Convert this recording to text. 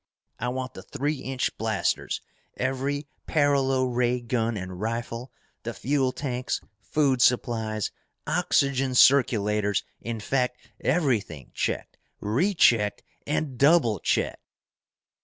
I want the three inch blasters, every paralo ray gun and rifle, the fuel tanks, food supplies, oxygen circulators, in fact everything checked, rechecked, and double checked!"